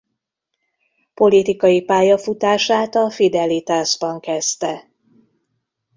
Politikai pályafutását a Fidelitasban kezdte.